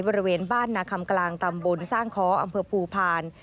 บริเวณบ้านนาคำกลางตำบลสร้างค้ออำเภอภูพาล